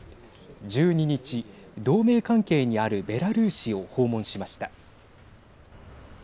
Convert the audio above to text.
１２日、同盟関係にあるベラルーシを訪問しました。